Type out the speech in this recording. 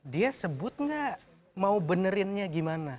dia sebut nggak mau benerinnya gimana